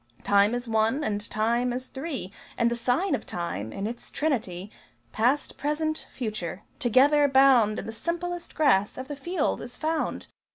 Time is one, and Time is three: And the sign of Time, in its Trinity Past, Present, Future, together bound In the simplest grass of the field is found!